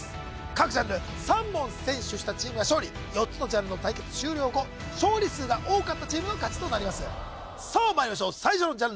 各ジャンル３問先取したチームが勝利４つのジャンルの対決終了後勝利数が多かったチームが勝ちとなりますさあ